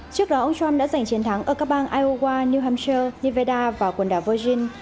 trước đó ông trump đã giành chiến thắng ở các bang iowa new hamcher nevada và quần đảo virgin